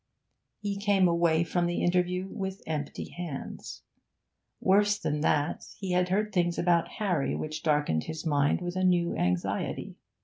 He came away from the interview with empty hands. Worse than that, he had heard things about Harry which darkened his mind with a new anxiety.